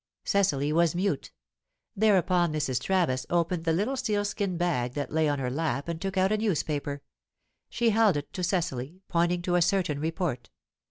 Cecily was mute. Thereupon Mrs. Travis opened the little sealskin bag that lay on her lap, and took out a newspaper. She held it to Cecily, pointing to a certain report.